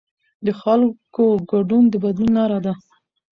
د خلکو ګډون د بدلون لاره ده